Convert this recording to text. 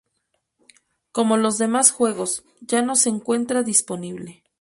Como los demás juegos, ya no se encuentra disponible.